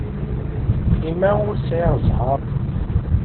I ma ur sɛiɣ ẓẓher?